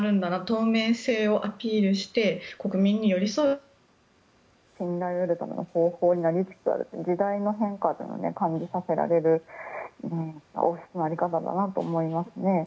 透明性をアピールして国民に寄り添うことが信頼を得るための方法になりつつあるという時代の変化を感じさせられる王室の在り方だなと思いますね。